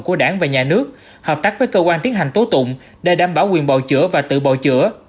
của đảng và nhà nước hợp tác với cơ quan tiến hành tố tụng để đảm bảo quyền bầu chữa và tự bầu chữa